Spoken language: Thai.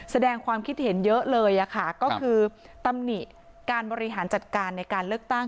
แสดงความคิดเห็นเยอะเลยค่ะก็คือตำหนิการบริหารจัดการในการเลือกตั้ง